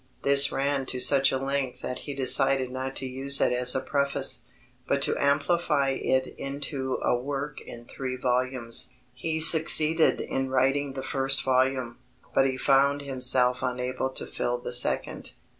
This ran to such a length that he decided not to use it as a preface, but to amplify it into a work in three volumes. He succeeded in writing the first volume, but he found himself unable to fill the second.